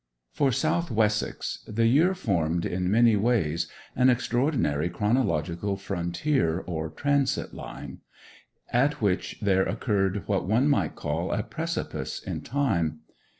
'For South Wessex, the year formed in many ways an extraordinary chronological frontier or transit line, at which there occurred what one might call a precipice in Time.